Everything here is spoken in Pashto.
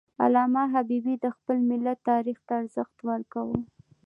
علامه حبیبي د خپل ملت تاریخ ته ارزښت ورکاوه.